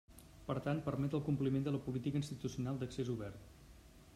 Per tant permet el compliment de la Política institucional d'accés obert.